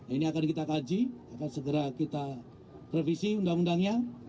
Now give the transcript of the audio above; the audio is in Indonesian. ini akan kita kaji akan segera kita revisi undang undangnya